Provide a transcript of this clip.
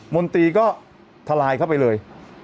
มนตรีก็ทลายเข้าไปเลย